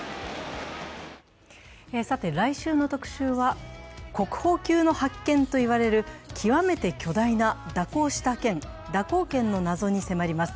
さて来週の特集は、国宝級の発見といわれる極めて巨大な蛇行した剣、蛇行剣の謎に迫ります。